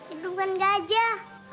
itu bukan gajah